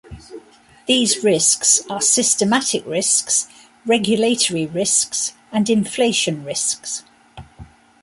These risks are systematic risks, regulatory risks and inflation risks.